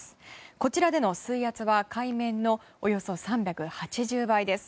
こちらでの水圧は海面のおよそ３８０倍です。